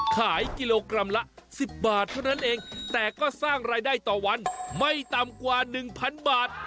ขายกิโลกรัมละ๑๐บาทเท่านั้นเองแต่ก็สร้างรายได้ต่อวันไม่ต่ำกว่า๑๐๐บาท